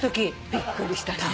びっくりしたね。